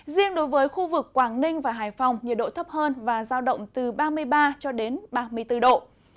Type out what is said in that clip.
riêng đối với khu vực quảng ninh và hải phòng nhiệt độ thấp hơn và giao động từ ba mươi ba cho đến ba mươi bốn độ